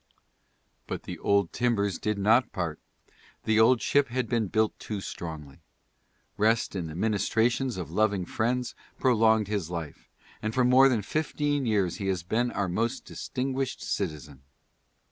But the old timbers did not part. The old ship had been built too strongly. Rest and the ministrations of loving friends prolonged his life, and for more than fifteen years he has been our most distinguished citizen.